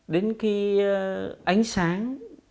đến cái ánh sáng